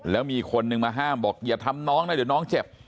แล้วมีคนนึงมาห้ามบอกอย่าทำน้องนะเดี๋ยวน้องเจ็บ